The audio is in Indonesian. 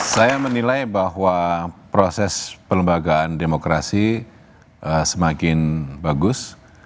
saya menilai bahwa proses pelembagaan demokrasi semakin bagus